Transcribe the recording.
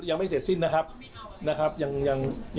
ผมไม่เห็นนะครับแต่ว่าตอนนี้ยังไม่มียังไม่เสร็จสิ้นนะครับ